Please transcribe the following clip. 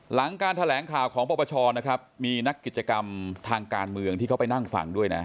หลังการแถลงข่าวของปปชนะครับมีนักกิจกรรมทางการเมืองที่เขาไปนั่งฟังด้วยนะ